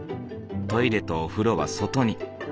トイレとお風呂は外に。